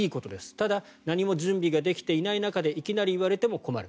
ただ、何も準備ができていない中でいきなり言われても困る。